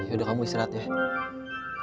yaudah kamu istirahat ya